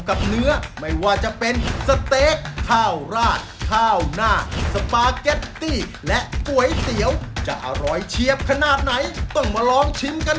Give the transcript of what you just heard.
คุณแม่พร้อมได้ยังครับ